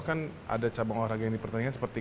kan ada cabang olahraga yang dipertandingkan seperti